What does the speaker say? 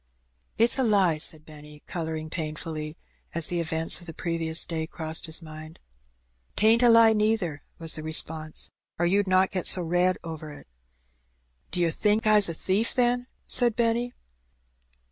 " It's a lie," said Benny, colouring painfully, as the event of the previous day crossed his mind. "'T ain't a lie, neither," was the response, "or you'd not get so red over it." "D'yer think I's a thief, then?" said Benny.